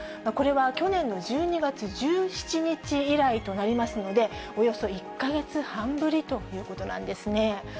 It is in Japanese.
これは去年の１２月１７日以来となりますので、およそ１か月半ぶりということなんですね。